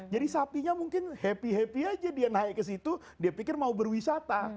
jadi sapinya mungkin happy happy aja dia naik ke situ dia pikir mau berwisata